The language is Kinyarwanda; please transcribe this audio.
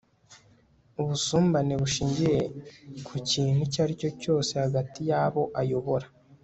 ubusumbane bushingiye ku kintu icyo ari cyo cyose hagati y'abo ayobora